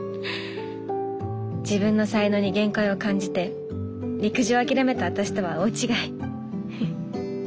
自分の才能に限界を感じて陸上を諦めた私とは大違い。